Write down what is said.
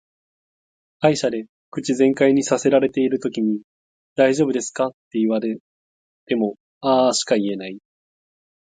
歯医者で口全開にさせられてるときに「大丈夫ですか」って言われもも「あー」しか言えない。